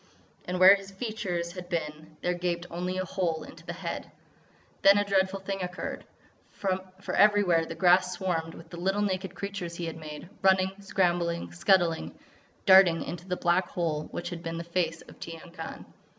And where his features had been there gaped only a hole into the head. Then a dreadful thing occurred; for everywhere the grass swarmed with the little naked creatures he had made, running, scrambling, scuttling, darting into the black hole which had been the face of Tiyang Khan.